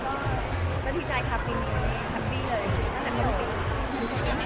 ประมาณ๒๐ตัวก็ได้แต่เรามีกำลังที่สำนักคงไหวนะครับ